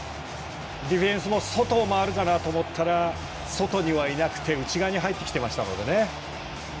ディフェンスも外を回るかなと思ったら外にはいなくて内側に入ってきましたので。